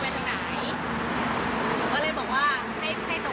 ฉันมาคนเดียวเข้าไปบานอาทิตย์ที่แล้ว